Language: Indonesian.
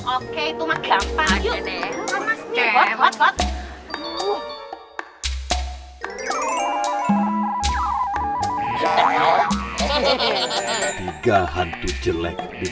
oke itu maksampang yuk masjid